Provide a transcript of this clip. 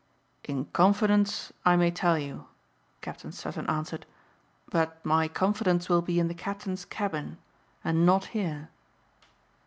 "In confidence, I may tell you," Captain Sutton answered, "but my confidence will be in the captain's cabin and not here."